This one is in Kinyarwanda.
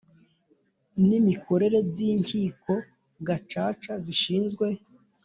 n imikorere by Inkiko Gacaca zishinzwe